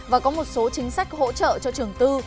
và có một số chính sách hỗ trợ cho trường tư